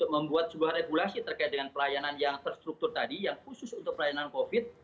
membuat sebuah regulasi terkait dengan pelayanan yang terstruktur tadi yang khusus untuk pelayanan covid